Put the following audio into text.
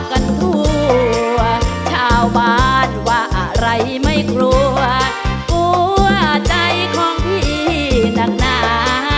กันทั่วชาวบ้านว่าอะไรไม่กลัวกลัวใจของพี่ต่างหนา